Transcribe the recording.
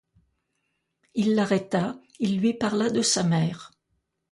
Il l'arrêta, il lui parla de sa mère.